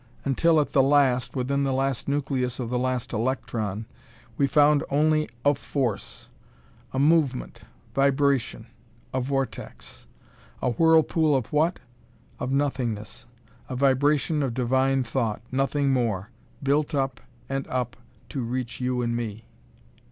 Until, at the last, within the last nucleus of the last electron, we found only a force. A movement vibration a vortex. A whirlpool of what? Of Nothingness! A vibration of Divine Thought nothing more built up and up to reach you and me!